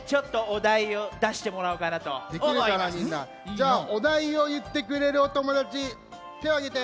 じゃあおだいをいってくれるおともだちてをあげて！